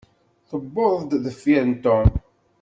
Tewweḍ-d deffir n Tom.